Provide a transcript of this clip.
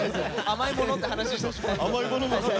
「甘いもの」って話したら。